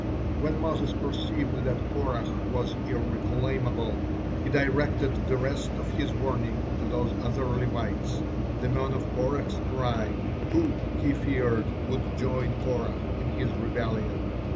When Moses perceived that Korah was irreclaimable, he directed the rest of his warning to those other Levites, the men of Korah's tribe, who, he feared, would join Korah in his rebellion.